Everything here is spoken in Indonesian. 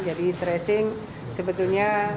jadi tracing sebetulnya